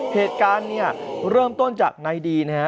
เหตุการณ์เนี่ยเริ่มต้นจากนายดีนะฮะ